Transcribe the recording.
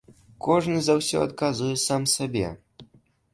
Кожны за ўсё адказвае сам сабе.